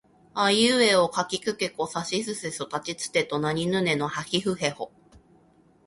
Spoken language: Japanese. あいうえおかきくけこさしすせそたちつてとなにぬねのはひふへほ